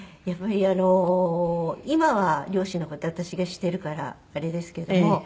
やっぱりあの今は両親の事私がしてるからあれですけれども。